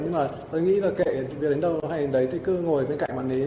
nhưng mà tôi nghĩ là kệ đến đâu hay đấy thì cứ ngồi bên cạnh mặt đấy